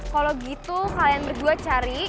kalau gitu kalian berdua cari